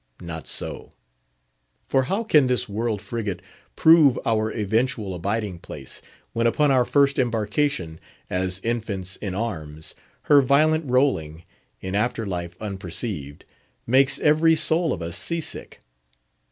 Not so. For how can this world frigate prove our eventual abiding place, when upon our first embarkation, as infants in arms, her violent rolling—in after life unperceived—makes every soul of us sea sick?